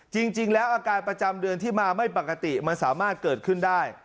จริงแล้วอาการประจำเดือนที่มาไม่ปกติมันสามารถเกิดขึ้นได้